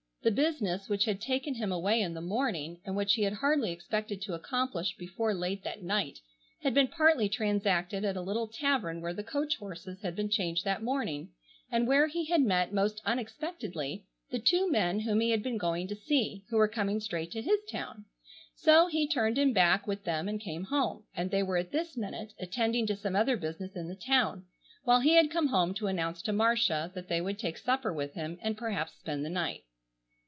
The business which had taken him away in the morning, and which he had hardly expected to accomplish before late that night, had been partly transacted at a little tavern where the coach horses had been changed that morning, and where he had met most unexpectedly the two men whom he had been going to see, who were coming straight to his town. So he turned him back with them and came home, and they were at this minute attending to some other business in the town, while he had come home to announce to Marcia that they would take supper with him and perhaps spend the night.